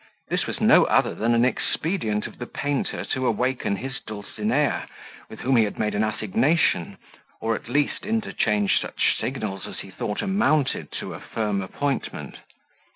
This was no other than an expedient of the painter to awaken his dulcinea, with whom he had made an assignation, or at least interchanged such signals as he thought amounted to a firm appointment.